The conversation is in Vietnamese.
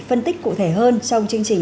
phân tích cụ thể hơn trong chương trình